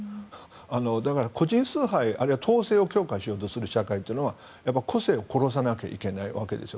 だから個人崇拝、あるいは統制を強化しようとする社会は個性を殺さなきゃいけないわけですよ。